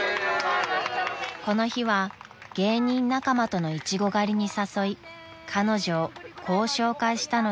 ［この日は芸人仲間とのイチゴ狩りに誘い彼女をこう紹介したのです］